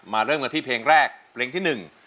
เริ่มกันที่เพลงแรกเพลงที่หนึ่ง